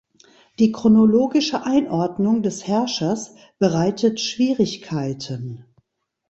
Die chronologische Einordnung des Herrschers bereitet Schwierigkeiten.